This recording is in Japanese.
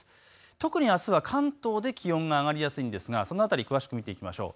特にあすは関東で気温が上がりやすいんですが、その辺り詳しく見ていきましょう。